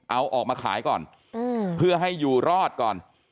เอาออกมาขายก่อนเพื่อให้อยู่รอดก่อน